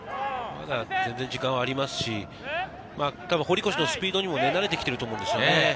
全然時間はありますし、堀越のスピードにも慣れてきていると思うんですよね。